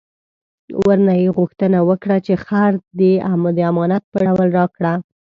ورنه یې غوښتنه وکړه چې خر دې د امانت په ډول راکړه.